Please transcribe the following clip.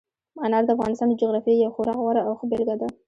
انار د افغانستان د جغرافیې یوه خورا غوره او ښه بېلګه ده.